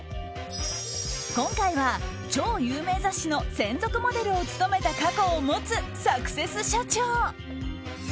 今回は超有名雑誌の専属モデルを務めた過去を持つサクセス社長！